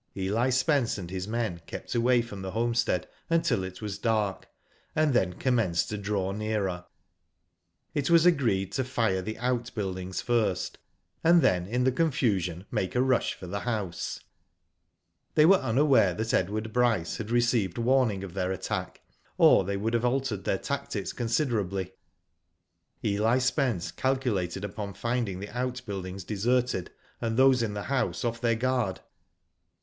Eli Spence and his men kept away from the homestead until it was dark, and then commenced to draw nearer. It was agreed to fire the outbuildings first, and then, in the confusion, make a rush for the house. They were unaware that Edward Bryce had received warning of their attack, or they would have altered their tactics considerably. Eli Spence calculated upon finding the outbuild ings deserted, and those in the house off their guard.